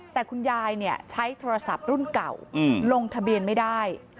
แต่คุณยายใช้โทรศัพท์รุ่นเก่าลงทะเบียนไม่ได้